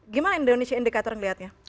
gimana indonesia indicator melihatnya